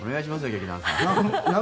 劇団さん。